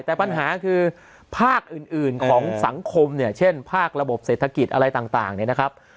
แต่ปัญหาคือภาคอื่นของสังคมเนี่ยเช่นภาคระบบเศรษฐกิจอะไรต่างเนี่ยนะครับ